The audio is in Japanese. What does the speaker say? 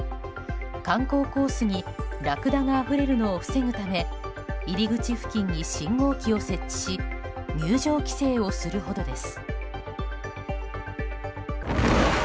観光コースにラクダがあふれるのを防ぐため入り口付近に信号機を設置し入場規制をするほどです。